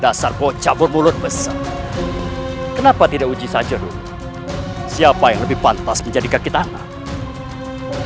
dasar kau cabur mulut besar kenapa tidak uji saja dulu siapa yang lebih pantas menjadi kakitangan